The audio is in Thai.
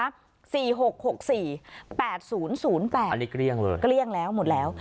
อันนี้เกลี้ยงเลยเกลี้ยงแล้วหมดแล้ว